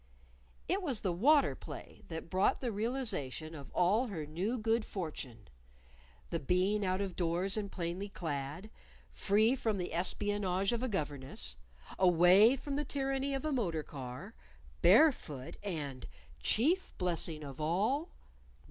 It was the water play that brought the realization of all her new good fortune the being out of doors and plainly clad; free from the espionage of a governess; away from the tyranny of a motor car; barefoot; and chief blessing of all!